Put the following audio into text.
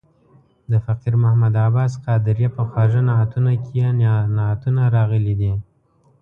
د فقیر محمد عباس قادریه په خواږه نعتونه کې یې نعتونه راغلي دي.